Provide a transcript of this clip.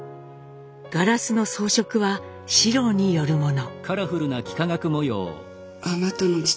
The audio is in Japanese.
ガラスの装飾は四郎によるもの。